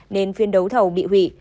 nên phiên đấu thầu bị hủy